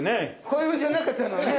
こういうふうじゃなかったのね。